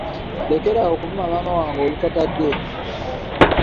Lekera awo okuvuma maama wange olutatadde.